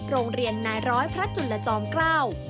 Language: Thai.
โรงเรียนนายร้อยพระจุลจอมเกล้า